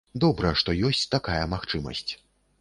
Добра, што ёсць такая магчымасць.